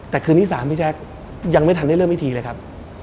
แต่คืนที่๓พี่แจ๊คยังไม่ทันได้เริ่มพิธีเลยครับ